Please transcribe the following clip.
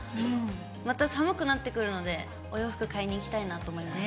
また寒くなってくるので、お洋服買いに行きたいなと思いました。